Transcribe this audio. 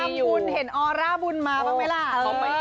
บุญเห็นออร่าบุญมาบ้างไหมล่ะ